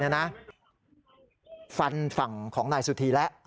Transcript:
ฟันฝั่งของนายสุธีแล้ว